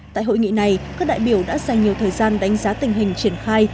tại hội nghị này các đại biểu đã dành nhiều thời gian đánh giá tình hình triển khai